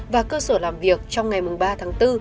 và cơ sở làm việc trong ngày ba tháng bốn